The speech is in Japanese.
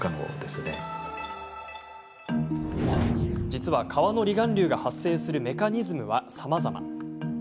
実は、川の離岸流が発生するメカニズムはさまざま。